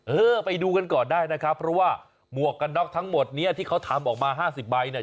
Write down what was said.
เออไปดูกันก่อนได้นะครับเพราะว่าหมวกกันน็อกทั้งหมดเนี้ยที่เขาทำออกมาห้าสิบใบเนี่ย